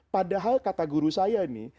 padahal kata guru saya ini